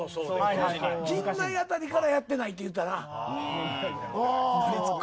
陣内あたりからやってないっていうたな。